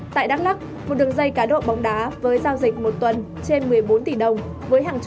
tại đắk lóc một đường dây cá độ bóng đá với giao dịch một tuần trên một mươi bốn tỷ đồng